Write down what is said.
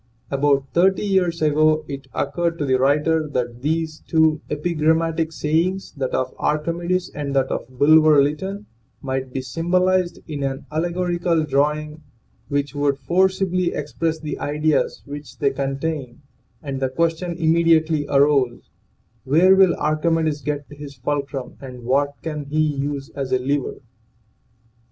About thirty years ago it occurred to the writer that these two epigrammatic sayings that of Archimedes and that of Bulwer Lytton might be symbolized in an alle gorical drawing which would forcibly express the ideas which they contain, and the question immediately arose Where will Archimedes get his fulcrum and what can he use as a lever?